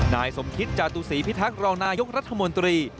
นายสมคิตจาตุศีพิทักษ์รองนายกรัฐมนตรี